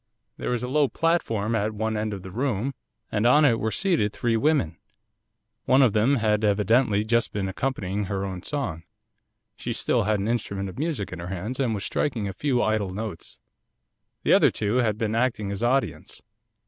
There was a low platform at one end of the room, and on it were seated three women. One of them had evidently just been accompanying her own song, she still had an instrument of music in her hands, and was striking a few idle notes. The other two had been acting as audience.